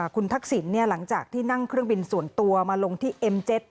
คุณทักษิณหลังจากที่นั่งเครื่องบินส่วนตัวมาลงที่เอ็มเจ็ต